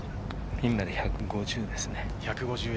ピンまで１５０です。